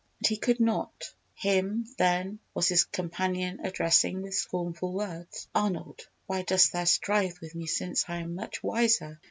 And he could not; him, then, was his companion addressing with scornful words: "Arnold, why dost thou strive with me since I am much wiser?